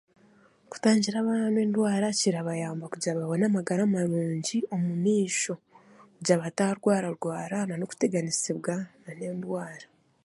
Kutangira abaana endwara kirabayamba kugira ngu babone amagara marungi omu maisho, kugira bataarwara-rwara, nana okuteganisibwa nana endwara.